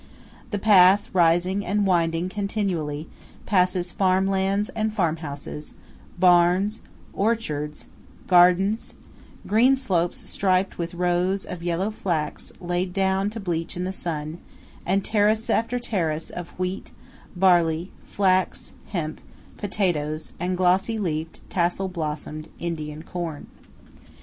The path, rising and winding continually, passes farm lands and farm houses; barns, orchards, gardens; green slopes striped with rows of yellow flax laid down to bleach in the sun; and terraces after terraces of wheat, barley, flax, hemp, potatoes, and glossy leafed, tassel blossomed Indian corn.